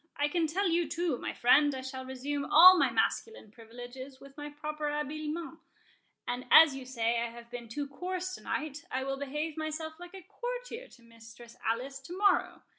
I can tell you too, my friend, I shall resume all my masculine privileges with my proper habiliments; and as you say I have been too coarse to night, I will behave myself like a courtier to Mistress Alice to morrow.